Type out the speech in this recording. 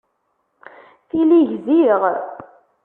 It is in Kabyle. Tili gziɣ.